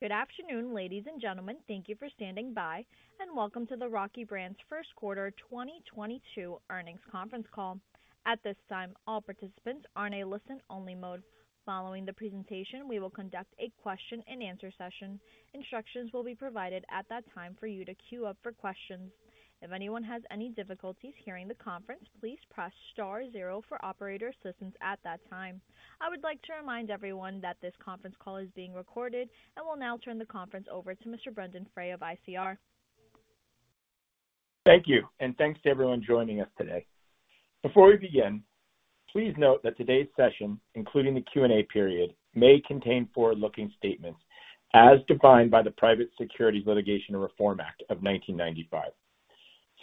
Good afternoon, ladies and gentlemen. Thank you for standing by, and welcome to the Rocky Brands Q1 2022 earnings conference call. At this time, all participants are in a listen only mode. Following the presentation, we will conduct a question-and-answer session. Instructions will be provided at that time for you to queue up for questions. If anyone has any difficulties hearing the conference, please press star zero for operator assistance at that time. I would like to remind everyone that this conference call is being recorded and will now turn the conference over to Mr. Brendon Frey of ICR. Thank you, and thanks to everyone joining us today. Before we begin, please note that today's session, including the Q&A period, may contain forward-looking statements as defined by the Private Securities Litigation Reform Act of 1995.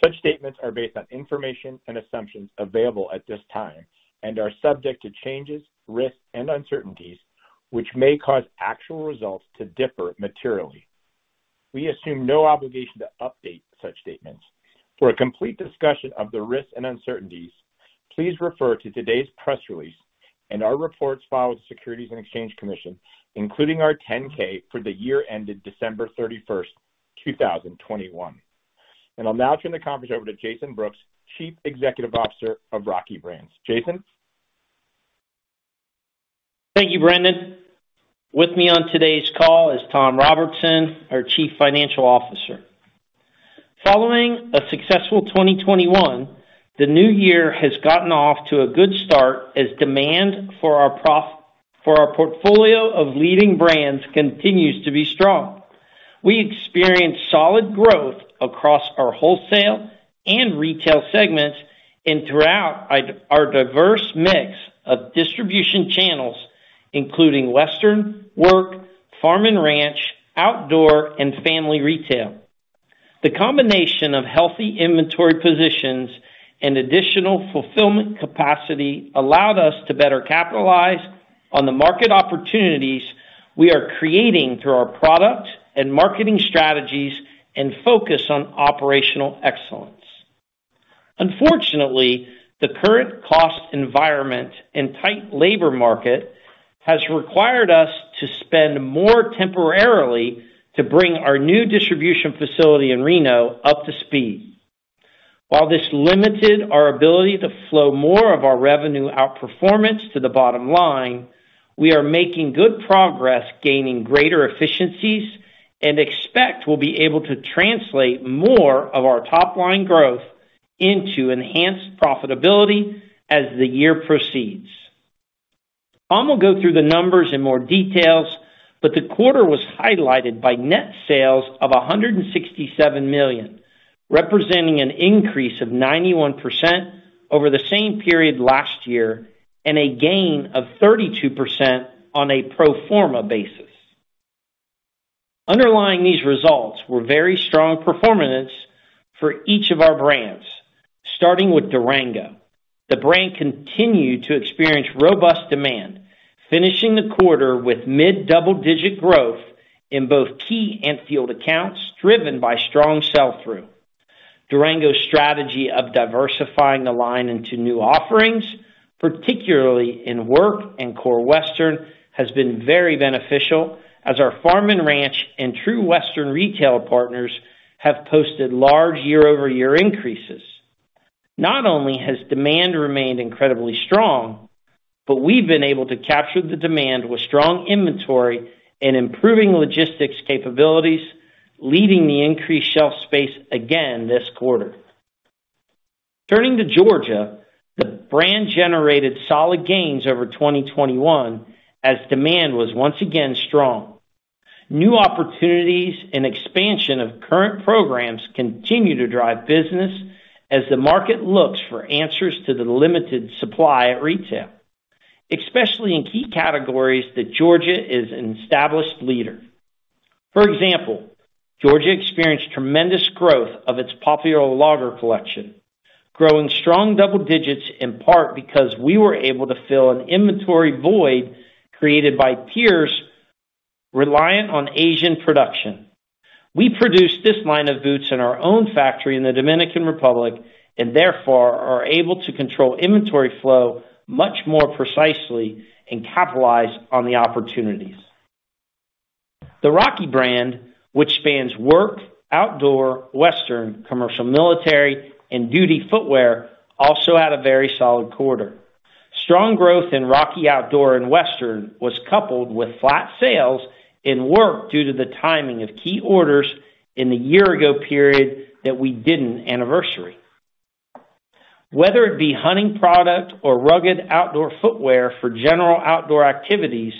Such statements are based on information and assumptions available at this time and are subject to changes, risks, and uncertainties which may cause actual results to differ materially. We assume no obligation to update such statements. For a complete discussion of the risks and uncertainties, please refer to today's press release and our reports filed with Securities and Exchange Commission, including our 10-K for the year ended December 31, 2021. I'll now turn the conference over to Jason Brooks, Chief Executive Officer of Rocky Brands. Jason? Thank you, Brendan. With me on today's call is Tom Robertson, our Chief Financial Officer. Following a successful 2021, the new year has gotten off to a good start as demand for our portfolio of leading brands continues to be strong. We experienced solid growth across our wholesale and retail segments and throughout our diverse mix of distribution channels, including western, work, farm and ranch, outdoor, and family retail. The combination of healthy inventory positions and additional fulfillment capacity allowed us to better capitalize on the market opportunities we are creating through our product and marketing strategies and focus on operational excellence. Unfortunately, the current cost environment and tight labor market has required us to spend more temporarily to bring our new distribution facility in Reno up to speed. While this limited our ability to flow more of our revenue outperformance to the bottom line, we are making good progress gaining greater efficiencies and expect we'll be able to translate more of our top-line growth into enhanced profitability as the year proceeds. Tom will go through the numbers in more detail, but the quarter was highlighted by net sales of $167 million, representing an increase of 91% over the same period last year and a gain of 32% on a pro forma basis. Underlying these results were very strong performance for each of our brands, starting with Durango. The brand continued to experience robust demand, finishing the quarter with mid-double-digit growth in both key and field accounts, driven by strong sell-through. Durango's strategy of diversifying the line into new offerings, particularly in work and core Western, has been very beneficial as our farm and ranch and true Western retail partners have posted large year-over-year increases. Not only has demand remained incredibly strong, but we've been able to capture the demand with strong inventory and improving logistics capabilities, leading the increased shelf space again this quarter. Turning to Georgia Boot, the brand generated solid gains over 2021 as demand was once again strong. New opportunities and expansion of current programs continue to drive business as the market looks for answers to the limited supply at retail, especially in key categories that Georgia Boot is an established leader. For example, Georgia Boot experienced tremendous growth of its popular logger collection, growing strong double digits in part because we were able to fill an inventory void created by peers reliant on Asian production. We produced this line of boots in our own factory in the Dominican Republic and therefore are able to control inventory flow much more precisely and capitalize on the opportunities. The Rocky brand, which spans work, outdoor, western, commercial, military, and duty footwear, also had a very solid quarter. Strong growth in Rocky outdoor and western was coupled with flat sales in work due to the timing of key orders in the year ago period that we didn't anniversary. Whether it be hunting product or rugged outdoor footwear for general outdoor activities,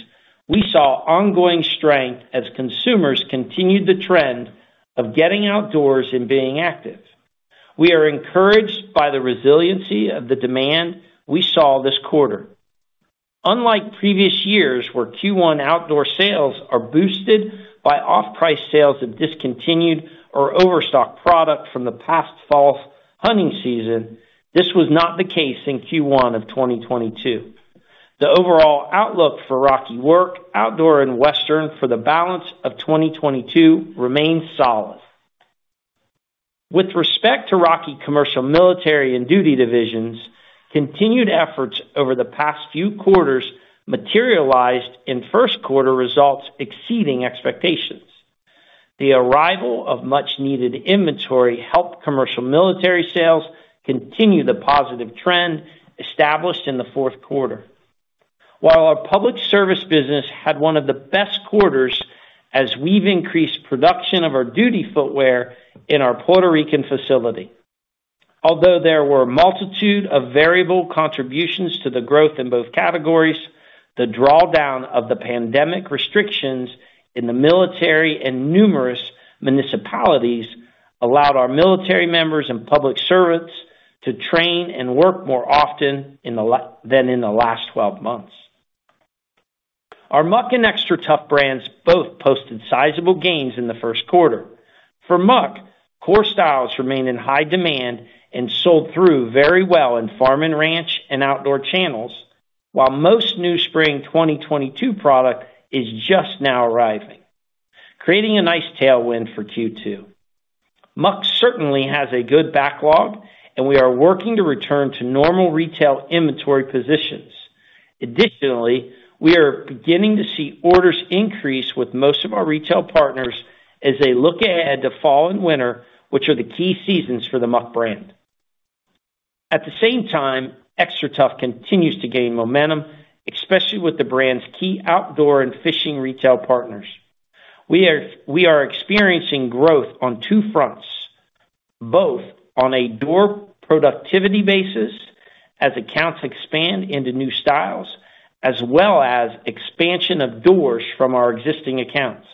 we saw ongoing strength as consumers continued the trend of getting outdoors and being active. We are encouraged by the resiliency of the demand we saw this quarter. Unlike previous years, where Q1 outdoor sales are boosted by off-price sales of discontinued or overstock product from the past fall's hunting season, this was not the case in Q1 of 2022. The overall outlook for Rocky work, outdoor, and Western for the balance of 2022 remains solid. With respect to Rocky Commercial Military and Duty divisions, continued efforts over the past few quarters materialized in Q1 results exceeding expectations. The arrival of much needed inventory helped commercial military sales continue the positive trend established in the Q4. While our public service business had one of the best quarters as we've increased production of our duty footwear in our Puerto Rican facility. Although there were a multitude of variable contributions to the growth in both categories, the drawdown of the pandemic restrictions in the military and numerous municipalities allowed our military members and public servants to train and work more often than in the last twelve months. Our Muck and XTRATUF brands both posted sizable gains in the Q1. For Muck, core styles remain in high demand and sold through very well in farm and ranch and outdoor channels, while most new spring 2022 product is just now arriving, creating a nice tailwind for Q2. Muck certainly has a good backlog, and we are working to return to normal retail inventory positions. Additionally, we are beginning to see orders increase with most of our retail partners as they look ahead to fall and winter, which are the key seasons for the Muck brand. At the same time, XTRATUF continues to gain momentum, especially with the brand's key outdoor and fishing retail partners. We are experiencing growth on two fronts, both on a door productivity basis as accounts expand into new styles, as well as expansion of doors from our existing accounts.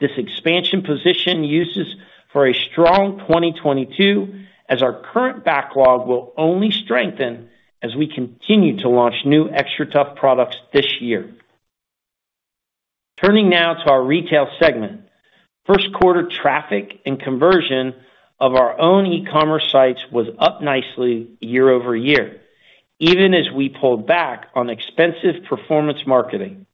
This expansion positions us for a strong 2022 as our current backlog will only strengthen as we continue to launch new XTRATUF products this year. Turning now to our retail segment. Q1 traffic and conversion of our own e-commerce sites was up nicely year-over-year, even as we pulled back on expensive performance marketing.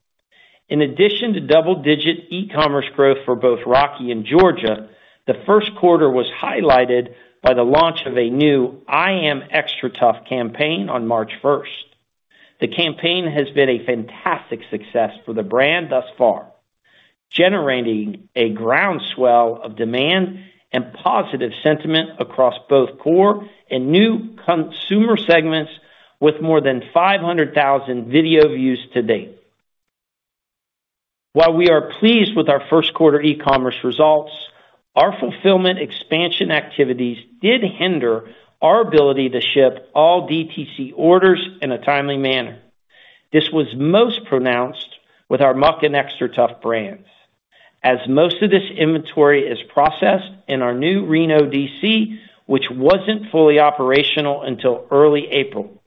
In addition to double-digit e-commerce growth for both Rocky and Georgia, the Q1 was highlighted by the launch of a new I Am XTRATUF campaign on March 1. The campaign has been a fantastic success for the brand thus far, generating a groundswell of demand and positive sentiment across both core and new consumer segments with more than 500,000 video views to date. While we are pleased with our Q1 e-commerce results, our fulfillment expansion activities did hinder our ability to ship all DTC orders in a timely manner. This was most pronounced with our Muck and XTRATUF brands, as most of this inventory is processed in our new Reno DC, which wasn't fully operational until early April.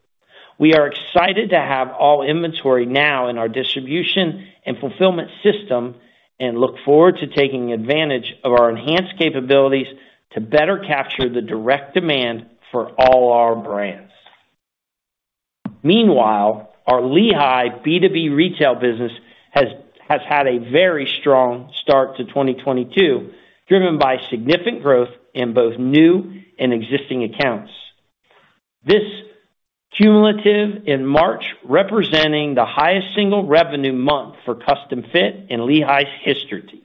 We are excited to have all inventory now in our distribution and fulfillment system, and look forward to taking advantage of our enhanced capabilities to better capture the direct demand for all our brands. Meanwhile, our Lehigh B2B retail business has had a very strong start to 2022, driven by significant growth in both new and existing accounts. This culminated in March, representing the highest single revenue month for CustomFit in Lehigh's history.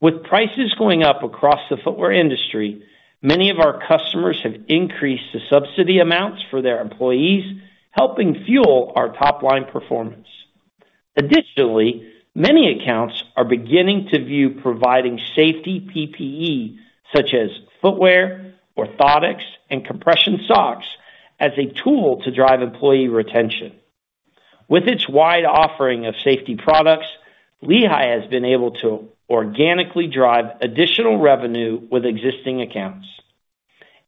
With prices going up across the footwear industry, many of our customers have increased the subsidy amounts for their employees, helping fuel our top line performance. Additionally, many accounts are beginning to view providing safety PPE, such as footwear, orthotics, and compression socks, as a tool to drive employee retention. With its wide offering of safety products, Lehigh has been able to organically drive additional revenue with existing accounts.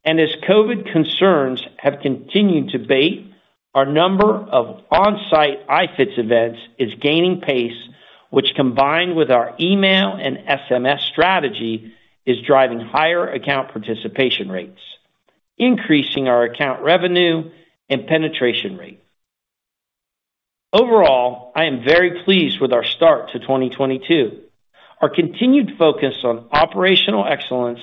As COVID concerns have continued to abate, our number of on-site fits events is gaining pace, which, combined with our email and SMS strategy, is driving higher account participation rates, increasing our account revenue and penetration rate. Overall, I am very pleased with our start to 2022. Our continued focus on operational excellence,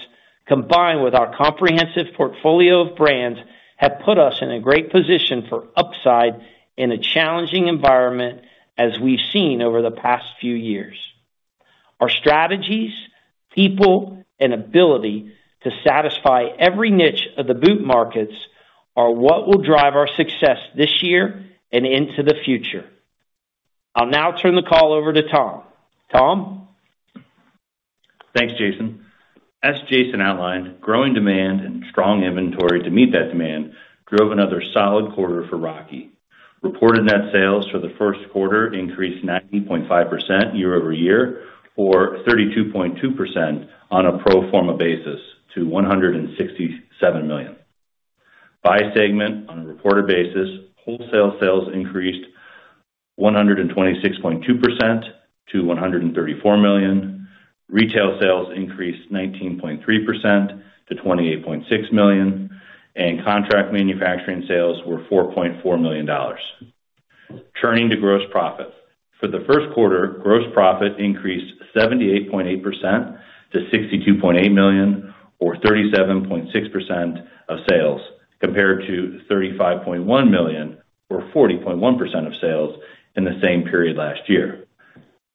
combined with our comprehensive portfolio of brands, have put us in a great position for upside in a challenging environment as we've seen over the past few years. Our strategies, people, and ability to satisfy every niche of the boot markets are what will drive our success this year and into the future. I'll now turn the call over to Tom. Tom? Thanks, Jason. As Jason outlined, growing demand and strong inventory to meet that demand drove another solid quarter for Rocky. Reported net sales for the Q1 increased 90.5% year over year, or 32.2% on a pro forma basis to $167 million. By segment on a reported basis, wholesale sales increased 126.2% to $134 million, retail sales increased 19.3% to $28.6 million, and contract manufacturing sales were $4.4 million. Turning to gross profit. For the Q1, gross profit increased 78.8% to $62.8 million, or 37.6% of sales, compared to $35.1 million, or 40.1% of sales in the same period last year.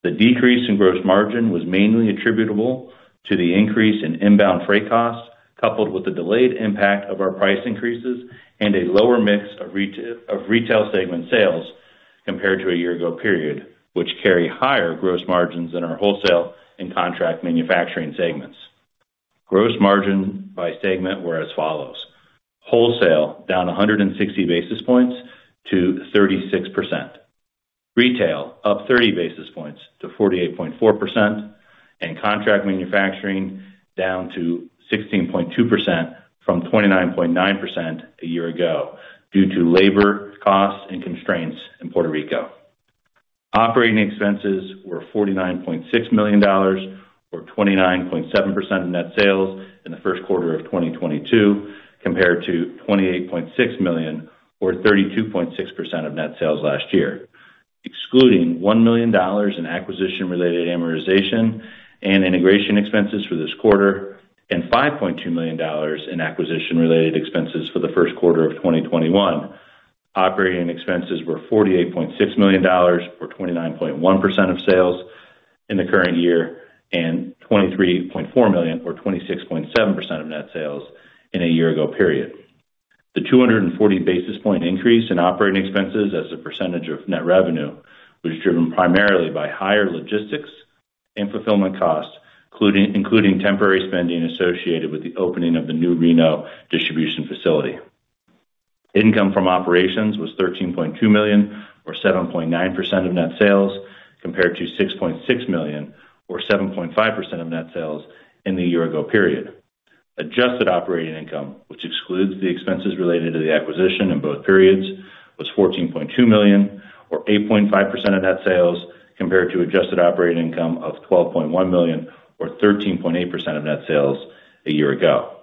The decrease in gross margin was mainly attributable to the increase in inbound freight costs, coupled with the delayed impact of our price increases and a lower mix of retail segment sales compared to a year ago period, which carry higher gross margins than our wholesale and contract manufacturing segments. Gross margin by segment were as follows. Wholesale down 160 basis points to 36%, retail up 30 basis points to 48.4%, and contract manufacturing down to 16.2% from 29.9% a year ago, due to labor costs and constraints in Puerto Rico. Operating expenses were $49.6 million, or 29.7% of net sales in the Q1 of 2022, compared to $28.6 million, or 32.6% of net sales last year. Excluding $1 million in acquisition-related amortization and integration expenses for this quarter, and $5.2 million in acquisition-related expenses for the Q1 of 2021. Operating expenses were $48.6 million, or 29.1% of sales in the current year, and $23.4 million, or 26.7% of net sales in a year ago period. The 240 basis point increase in operating expenses as a percentage of net revenue was driven primarily by higher logistics and fulfillment costs, including temporary spending associated with the opening of the new Reno distribution facility. Income from operations was $13.2 million, or 7.9% of net sales, compared to $6.6 million, or 7.5% of net sales in the year ago period. Adjusted operating income, which excludes the expenses related to the acquisition in both periods, was $14.2 million or 8.5% of net sales, compared to adjusted operating income of $12.1 million or 13.8% of net sales a year ago.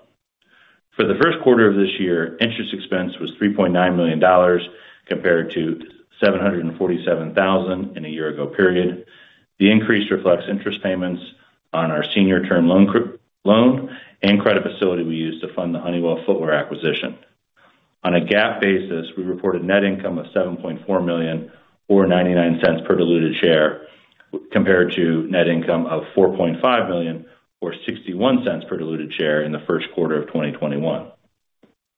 For the Q1 of this year, interest expense was $3.9 million, compared to $747,000 in a year ago period. The increase reflects interest payments on our senior term loan and credit facility we used to fund the Honeywell footwear acquisition. On a GAAP basis, we reported net income of $7.4 million, or $0.99 per diluted share, compared to net income of $4.5 million, or $0.61 per diluted share in the Q1 of 2021.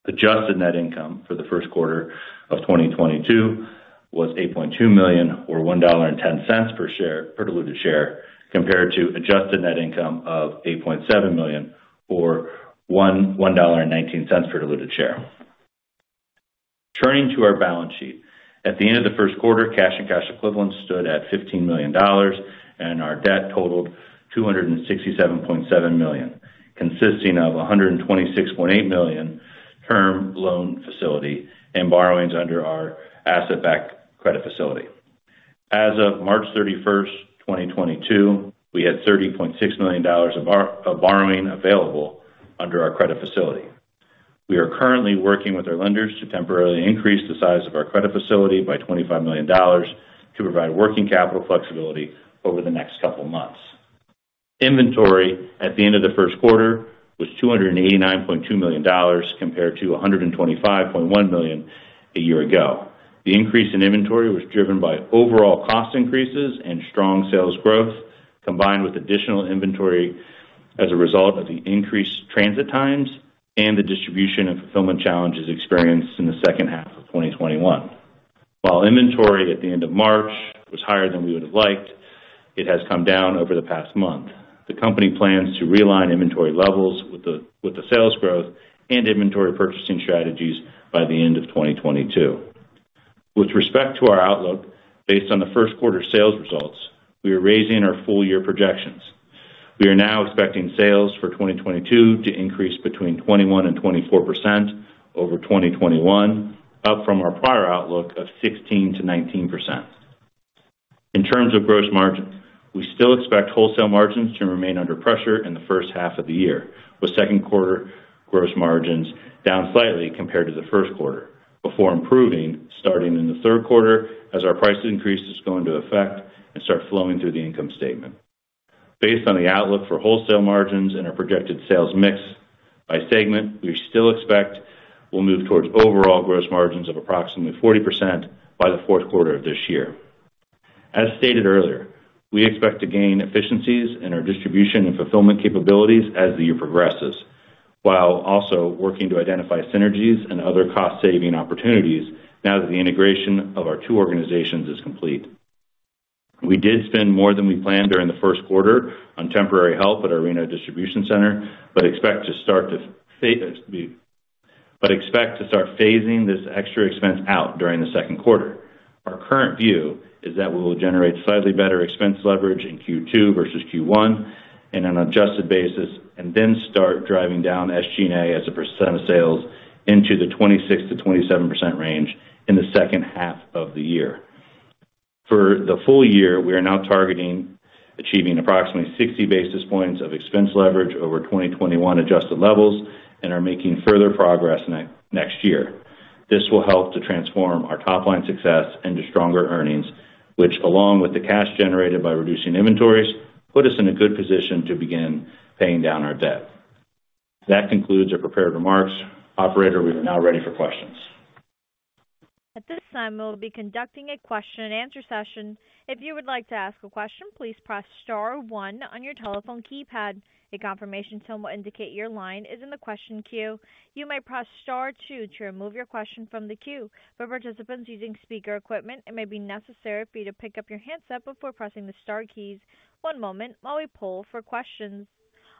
Adjusted net income for the Q1 of 2022 was $8.2 million, or $1.10 per diluted share, compared to adjusted net income of $8.7 million or $1.19 per diluted share. Turning to our balance sheet. At the end of the Q1, cash and cash equivalents stood at $15 million, and our debt totaled $267.7 million, consisting of $126.8 million term loan facility and borrowings under our asset-backed credit facility. As of March 31, 2022, we had $30.6 million of borrowing available under our credit facility. We are currently working with our lenders to temporarily increase the size of our credit facility by $25 million to provide working capital flexibility over the next couple months. Inventory at the end of the Q1 was $289.2 million, compared to $125.1 million a year ago. The increase in inventory was driven by overall cost increases and strong sales growth, combined with additional inventory as a result of the increased transit times and the distribution and fulfillment challenges experienced in the second half of 2021. While inventory at the end of March was higher than we would have liked, it has come down over the past month. The company plans to realign inventory levels with the sales growth and inventory purchasing strategies by the end of 2022. With respect to our outlook, based on the Q1 sales results, we are raising our full year projections. We are now expecting sales for 2022 to increase between 21% and 24% over 2021, up from our prior outlook of 16%-19%. In terms of gross margin, we still expect wholesale margins to remain under pressure in the first half of the year, with second quarter gross margins down slightly compared to the Q1, before improving starting in the third quarter as our price increases go into effect and start flowing through the income statement. Based on the outlook for wholesale margins and our projected sales mix by segment, we still expect we'll move towards overall gross margins of approximately 40% by the Q4 of this year. As stated earlier, we expect to gain efficiencies in our distribution and fulfillment capabilities as the year progresses, while also working to identify synergies and other cost saving opportunities now that the integration of our two organizations is complete. We did spend more than we planned during the Q1 on temporary help at our Reno distribution center, but expect to start phasing this extra expense out during the Q14. Our current view is that we will generate slightly better expense leverage in Q2 versus Q1 in an adjusted basis, and then start driving down SG&A as a percent of sales into the 26%-27% range in the second half of the year. For the full year, we are now targeting achieving approximately 60 basis points of expense leverage over 2021 adjusted levels and are making further progress next year. This will help to transform our top line success into stronger earnings, which, along with the cash generated by reducing inventories, put us in a good position to begin paying down our debt. That concludes our prepared remarks. Operator, we are now ready for questions. At this time, we will be conducting a question and answer session. If you would like to ask a question, please press star one on your telephone keypad. A confirmation tone will indicate your line is in the question queue. You may press star two to remove your question from the queue. For participants using speaker equipment, it may be necessary for you to pick up your handset before pressing the star keys. One moment while we poll for questions.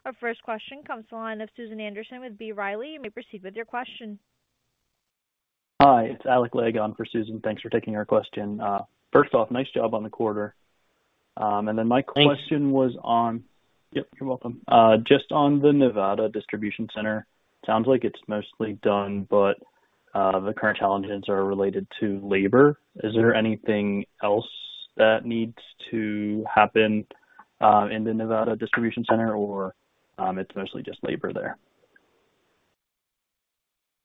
Our first question comes to the line of Susan Anderson with B. Riley. You may proceed with your question. Hi, it's Alec Legg for Susan. Thanks for taking our question. First off, nice job on the quarter. Then my question. Thank you. Yep, you're welcome. Just on the Nevada distribution center. Sounds like it's mostly done, but the current challenges are related to labor. Is there anything else that needs to happen in the Nevada distribution center or it's mostly just labor there?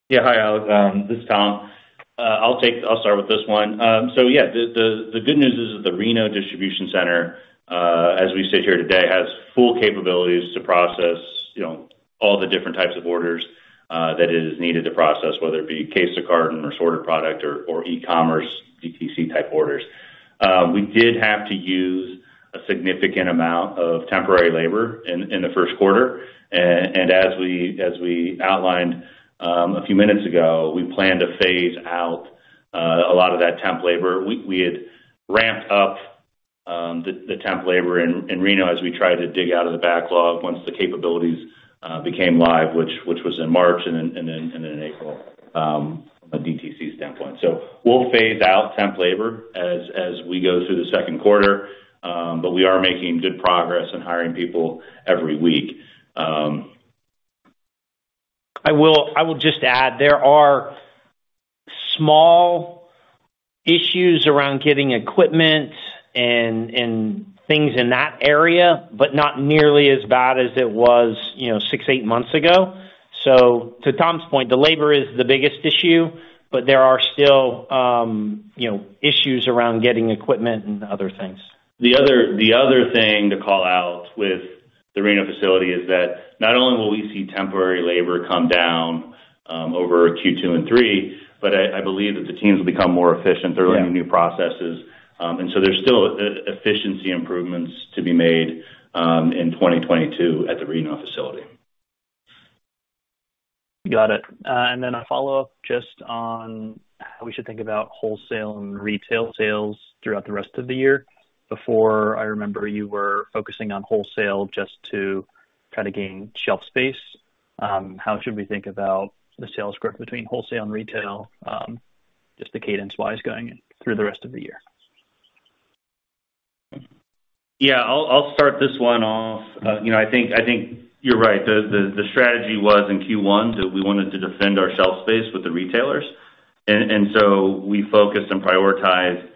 Yeah. Hi, Alec. This is Tom. I'll start with this one. Yeah, the good news is that the Reno distribution center, as we sit here today, has full capabilities to process, you know, all the different types of orders that it is needed to process, whether it be case to carton or sorted product or e-commerce DTC type orders. We did have to use a significant amount of temporary labor in the Q1. And as we outlined a few minutes ago, we plan to phase out a lot of that temp labor. We had ramped up the temp labor in Reno as we tried to dig out of the backlog once the capabilities became live, which was in March and then in April from a DTC standpoint. We'll phase out temp labor as we go through the second quarter. We are making good progress in hiring people every week. I will just add, there are small issues around getting equipment and things in that area, but not nearly as bad as it was, you know, 6-8 months ago. To Tom's point, the labor is the biggest issue, but there are still, you know, issues around getting equipment and other things. The other thing to call out with the Reno facility is that not only will we see temporary labor come down over Q2 and Q3, but I believe that the teams will become more efficient. Yeah. They're learning new processes. There's still efficiency improvements to be made in 2022 at the Reno facility. Got it. A follow-up just on how we should think about wholesale and retail sales throughout the rest of the year. Before, I remember you were focusing on wholesale just to kind of gain shelf space. How should we think about the sales growth between wholesale and retail, just the cadence-wise going in through the rest of the year? Yeah. I'll start this one off. You know, I think you're right. The strategy was in Q1 that we wanted to defend our shelf space with the retailers. We focused and prioritized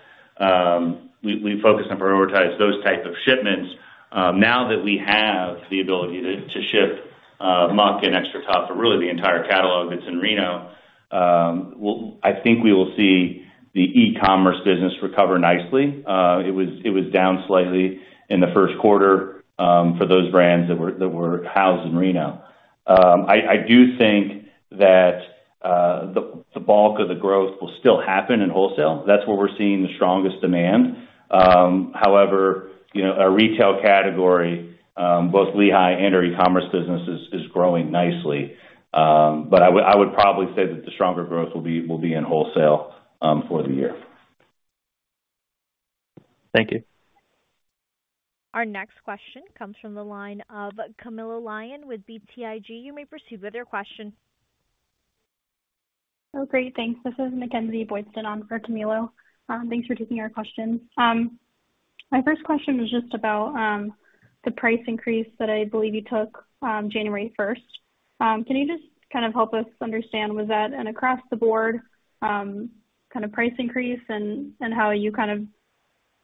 those type of shipments. Now that we have the ability to ship Muck and XTRATUF, but really the entire catalog that's in Reno, I think we will see the e-commerce business recover nicely. It was down slightly in the Q1 for those brands that were housed in Reno. I do think that the bulk of the growth will still happen in wholesale. That's where we're seeing the strongest demand. However, you know, our retail category, both Lehigh and our e-commerce business is growing nicely. I would probably say that the stronger growth will be in wholesale for the year. Thank you. Our next question comes from the line of Camilo Lyon with BTIG. You may proceed with your question. Oh, great. Thanks. This is Mackenzie Boydston on for Camilo. Thanks for taking our questions. My first question was just about the price increase that I believe you took January first. Can you just kind of help us understand, was that an across the board kind of price increase and how you kind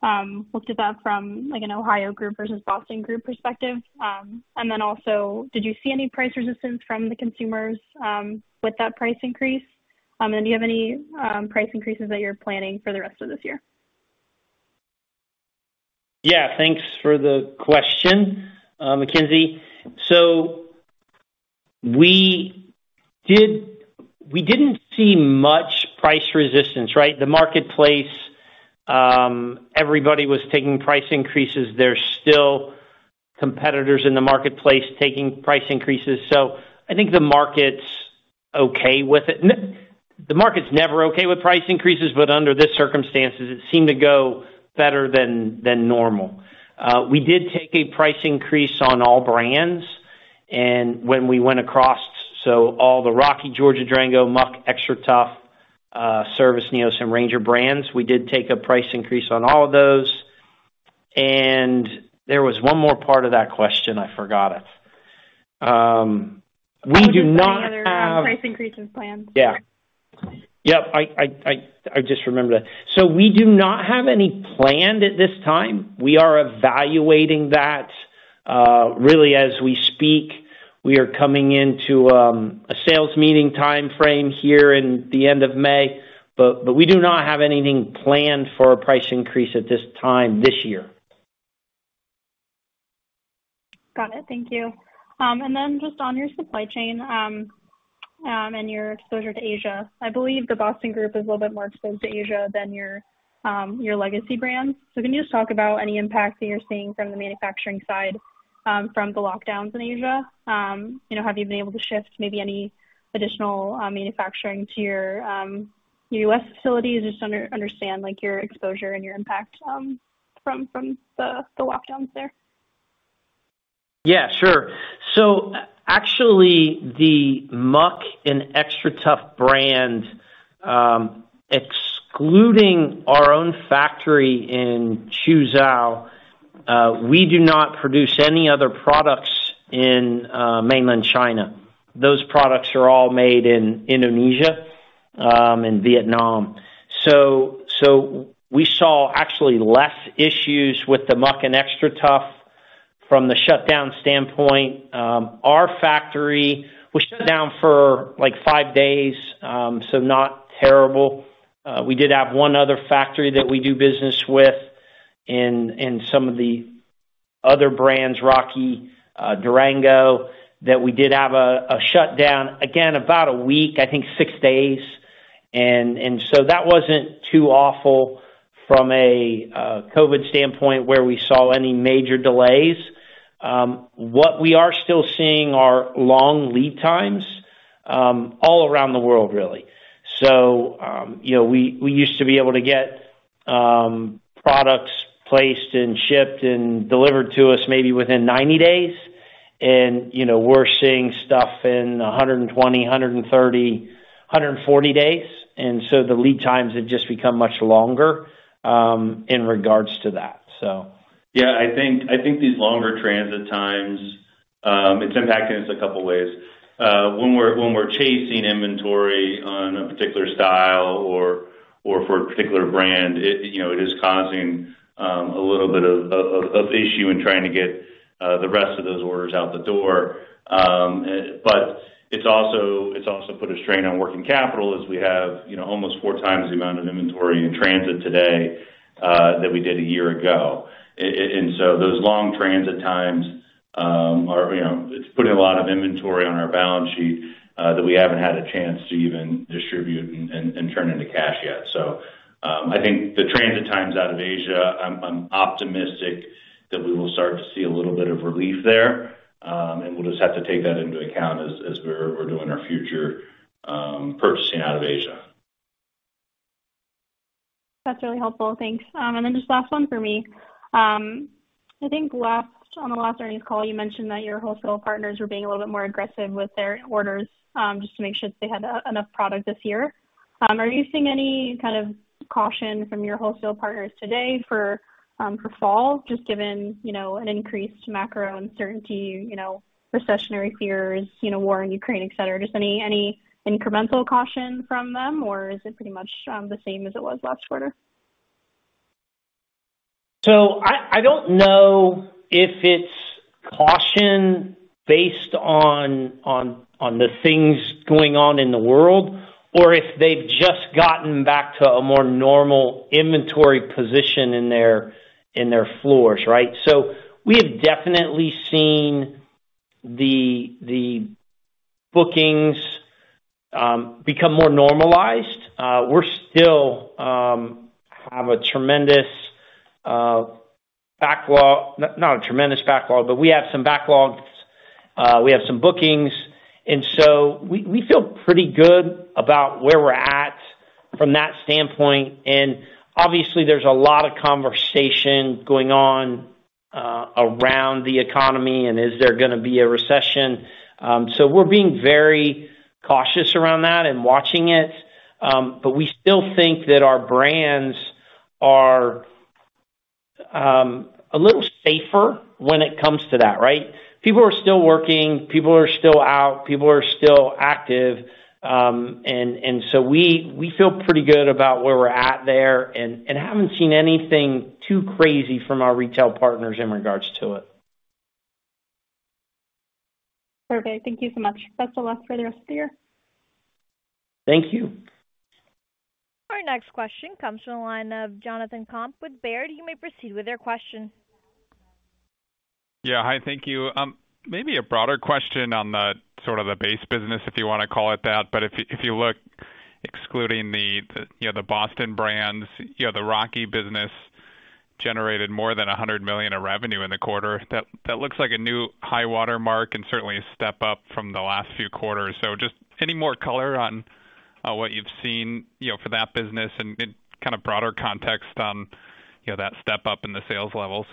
of looked at that from like an Ohio group versus Boston group perspective? Also, did you see any price resistance from the consumers with that price increase? Do you have any price increases that you're planning for the rest of this year? Yeah. Thanks for the question, Mackenzie. We didn't see much price resistance, right? The marketplace, everybody was taking price increases. There's still competitors in the marketplace taking price increases. I think the market's okay with it. The market's never okay with price increases, but under the circumstances it seemed to go better than normal. We did take a price increase on all brands and when we went across, so all the Rocky, Georgia, Durango, Muck, XTRATUF, Servus, NEOS and Ranger brands, we did take a price increase on all of those. There was one more part of that question. I forgot it. We do not have- That would be for any other price increases planned. Yeah. Yep. I just remembered that. We do not have any planned at this time. We are evaluating that, really as we speak. We are coming into a sales meeting timeframe here in the end of May, but we do not have anything planned for a price increase at this time this year. Got it. Thank you. Just on your supply chain and your exposure to Asia, I believe the Boston group is a little bit more exposed to Asia than your legacy brands. Can you just talk about any impact that you're seeing from the manufacturing side from the lockdowns in Asia? You know, have you been able to shift maybe any additional manufacturing to your U.S. facilities? Just understand, like, your exposure and your impact from the lockdowns there. Yeah, sure. Actually the Muck and XTRATUF brands, excluding our own factory in Quzhou, we do not produce any other products in mainland China. Those products are all made in Indonesia and Vietnam. We saw actually less issues with the Muck and XTRATUF from the shutdown standpoint. Our factory was shut down for like 5 days, so not terrible. We did have one other factory that we do business with in some of the other brands, Rocky, Durango, that we did have a shutdown, again about a week, I think 6 days. That wasn't too awful from a COVID standpoint, where we saw any major delays. What we are still seeing are long lead times all around the world really. you know, we used to be able to get products placed and shipped and delivered to us maybe within 90 days and, you know, we're seeing stuff in 120, 130, 140 days, and the lead times have just become much longer in regards to that. Yeah, I think these longer transit times, it's impacting us a couple ways. When we're chasing inventory on a particular style or for a particular brand, you know, it is causing a little bit of issue in trying to get the rest of those orders out the door. But it's also put a strain on working capital as we have, you know, almost four times the amount of inventory in transit today than we did a year ago. Those long transit times are, you know, it's putting a lot of inventory on our balance sheet that we haven't had a chance to even distribute and turn into cash yet. I think the transit times out of Asia, I'm optimistic that we will start to see a little bit of relief there, and we'll just have to take that into account as we're doing our future purchasing out of Asia. That's really helpful. Thanks. Just last one for me. I think on the last earnings call, you mentioned that your wholesale partners were being a little bit more aggressive with their orders, just to make sure they had enough product this year. Are you seeing any kind of caution from your wholesale partners today for fall, just given, you know, an increased macro uncertainty, you know, recessionary fears, you know, war in Ukraine, et cetera? Just any incremental caution from them, or is it pretty much the same as it was last quarter? I don't know if it's caution based on the things going on in the world, or if they've just gotten back to a more normal inventory position in their stores, right? We have definitely seen the bookings become more normalized. We're still have a tremendous backlog. Not a tremendous backlog, but we have some backlogs. We have some bookings. We feel pretty good about where we're at from that standpoint. Obviously there's a lot of conversation going on around the economy and is there gonna be a recession. We're being very cautious around that and watching it. We still think that our brands are a little safer when it comes to that, right? People are still working, people are still out, people are still active. We feel pretty good about where we're at there and haven't seen anything too crazy from our retail partners in regards to it. Perfect. Thank you so much. That's all from us for the rest of the year. Thank you. Our next question comes from the line of Jonathan Komp with Baird. You may proceed with your question. Yeah. Hi, thank you. Maybe a broader question on the sort of the base business, if you wanna call it that, but if you look excluding the you know the Boston brands, you know, the Rocky business generated more than $100 million of revenue in the quarter. That looks like a new high water mark and certainly a step up from the last few quarters. Just any more color on what you've seen, you know, for that business and kind of broader context on, you know, that step up in the sales levels?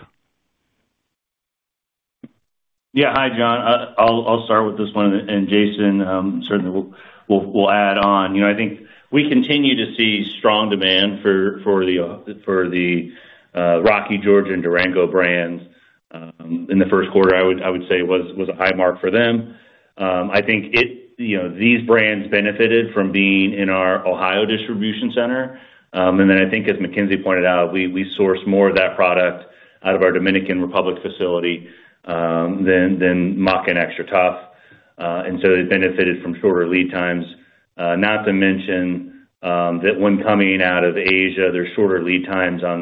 Yeah. Hi, John. I'll start with this one and Jason certainly will add on. You know, I think we continue to see strong demand for the Rocky, Georgia and Durango brands. In the Q1, I would say was a high mark for them. I think you know, these brands benefited from being in our Ohio distribution center. Then I think, as Mackenzie pointed out, we source more of that product out of our Dominican Republic facility than Muck and XTRATUF, and so they benefited from shorter lead times. Not to mention that when coming out of Asia, there's shorter lead times on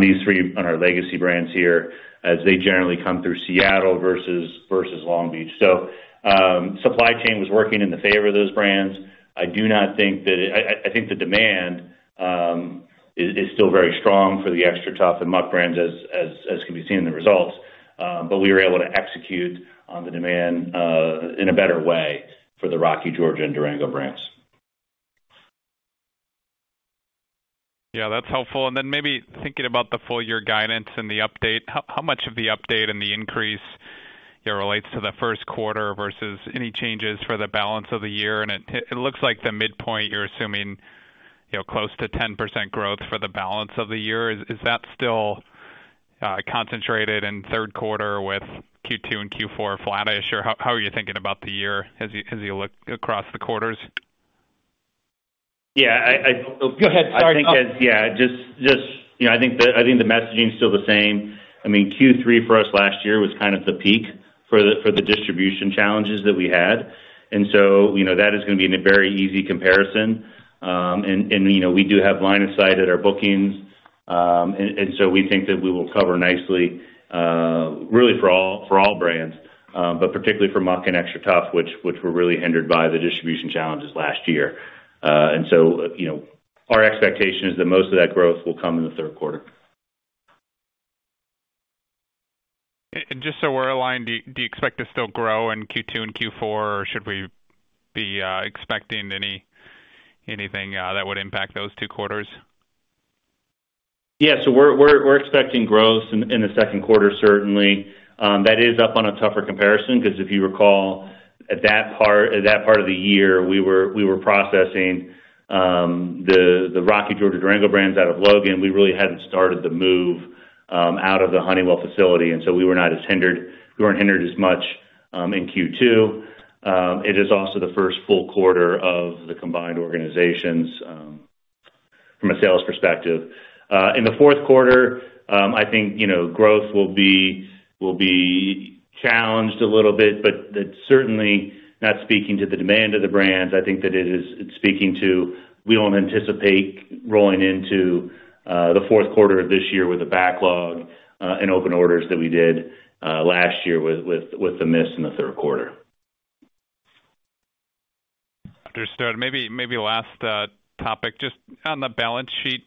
these three, our legacy brands here, as they generally come through Seattle versus Long Beach. Supply chain was working in the favor of those brands. I think the demand is still very strong for the XTRATUF and Muck brands as can be seen in the results. We were able to execute on the demand in a better way for the Rocky, Georgia and Durango brands. Yeah, that's helpful. Maybe thinking about the full year guidance and the update, how much of the update and the increase, you know, relates to the first quarter versus any changes for the balance of the year? It looks like the midpoint, you're assuming, you know, close to 10% growth for the balance of the year. Is that still concentrated in third quarter with Q2 and Q4 flat-ish or how are you thinking about the year as you look across the quarters? Yeah. Go ahead. Sorry. You know, I think the messaging is still the same. I mean, Q3 for us last year was kind of the peak for the distribution challenges that we had. You know, that is gonna be a very easy comparison. We do have line of sight at our bookings. We think that we will cover nicely, really for all brands, but particularly for Muck and XTRATUF, which were really hindered by the distribution challenges last year. Our expectation is that most of that growth will come in the third quarter. Just so we're aligned, do you expect to still grow in Q2 and Q4 or should we be expecting anything that would impact those two quarters? Yeah. We're expecting growth in the second quarter certainly. That is up on a tougher comparison, 'cause if you recall, at that part of the year, we were processing the Rocky, Georgia, Durango brands out of Logan. We really hadn't started the move out of the Honeywell facility, and so we were not as hindered. We weren't hindered as much in Q2. It is also the first full quarter of the combined organizations from a sales perspective. In the Q4, I think, you know, growth will be challenged a little bit, but that's certainly not speaking to the demand of the brands. I think that it is, it's speaking to, we don't anticipate rolling into the Q4 of this year with a backlog, and open orders that we did last year with the miss in the third quarter. Understood. Maybe last topic. Just on the balance sheet,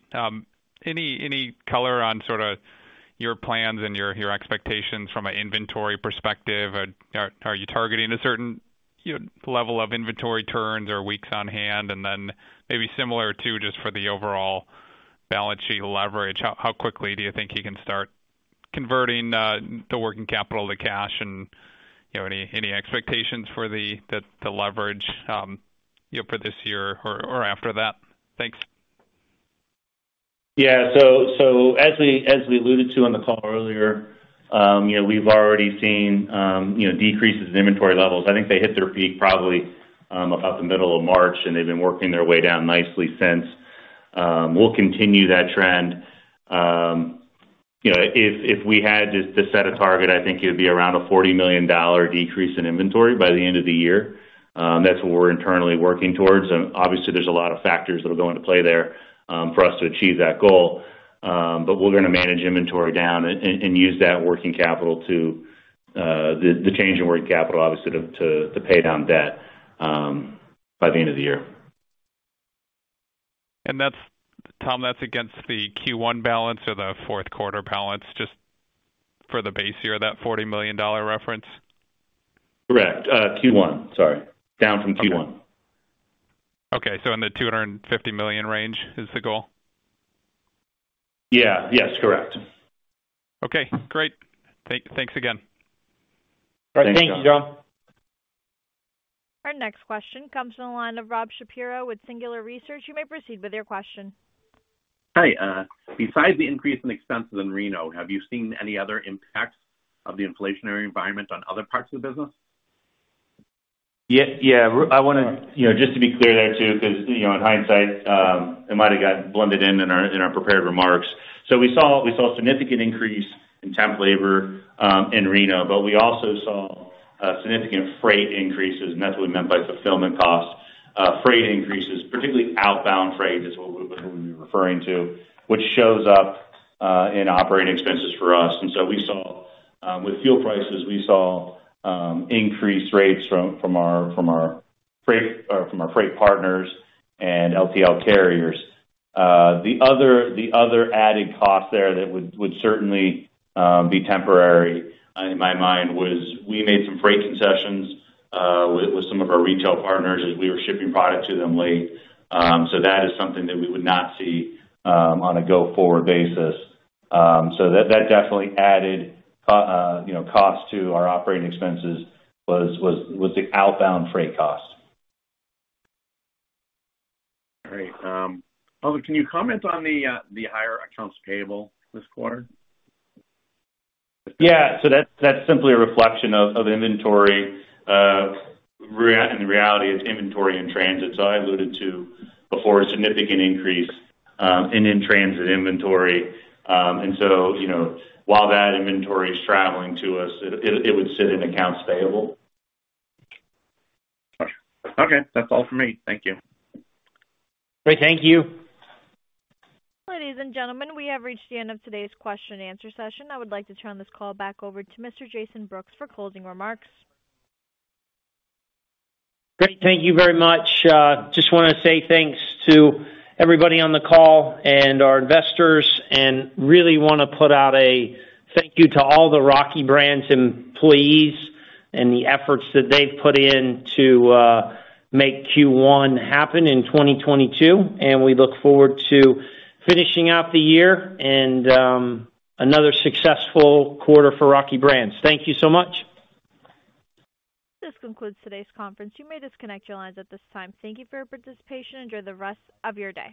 any color on sort of your plans and your expectations from an inventory perspective? Are you targeting a certain, you know, level of inventory turns or weeks on hand? Maybe similar to just for the overall balance sheet leverage, how quickly do you think you can start converting the working capital to cash? You know, any expectations for the leverage, you know, for this year or after that? Thanks. Yeah. As we alluded to on the call earlier, you know, we've already seen, you know, decreases in inventory levels. I think they hit their peak probably about the middle of March, and they've been working their way down nicely since. We'll continue that trend. You know, if we had to set a target, I think it would be around a $40 million decrease in inventory by the end of the year. That's what we're internally working towards, and obviously there's a lot of factors that'll go into play there, for us to achieve that goal. We're gonna manage inventory down and use that working capital to the change in working capital obviously to pay down debt by the end of the year. That's Tom, that's against the Q1 balance or the Q4 balance, just for the base year, that $40 million reference? Correct. Q1, sorry. Down from Q1. Okay. In the $250 million range is the goal? Yeah. Yes, correct. Okay, great. Thanks again. Thanks, John. Thank you, John. Our next question comes from the line of Rob Shapiro with Singular Research. You may proceed with your question. Hi. Besides the increase in expenses in Reno, have you seen any other impacts of the inflationary environment on other parts of the business? Yeah, yeah. I want to. You know, just to be clear there too, 'cause, you know, in hindsight, it might have got blended in our prepared remarks. We saw a significant increase in temp labor in Reno, but we also saw significant freight increases, and that's what we meant by fulfillment costs. Freight increases, particularly outbound freight, is what we'll be referring to, which shows up in operating expenses for us. We saw with fuel prices increased rates from our freight partners and LTL carriers. The other added cost there that would certainly be temporary in my mind was we made some freight concessions with some of our retail partners as we were shipping product to them late. That is something that we would not see on a go forward basis. That definitely added cost to our operating expenses was the outbound freight cost. All right. Well, can you comment on the higher accounts payable this quarter? That's simply a reflection of inventory. In reality it's inventory in transit. I alluded to before, a significant increase in in-transit inventory. You know, while that inventory is traveling to us, it would sit in accounts payable. Okay. That's all for me. Thank you. Great. Thank you. Ladies and gentlemen, we have reached the end of today's question and answer session. I would like to turn this call back over to Mr. Jason Brooks for closing remarks. Great. Thank you very much. Just wanna say thanks to everybody on the call and our investors and really wanna put out a thank you to all the Rocky Brands employees and the efforts that they've put in to make Q1 happen in 2022. We look forward to finishing out the year and another successful quarter for Rocky Brands. Thank you so much. This concludes today's conference. You may disconnect your lines at this time. Thank you for your participation. Enjoy the rest of your day.